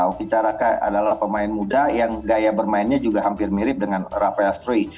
hoki caraka adalah pemain muda yang gaya bermainnya juga hampir mirip dengan rafael struik